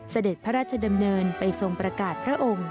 เสด็จพระราชดำเนินไปทรงประกาศพระองค์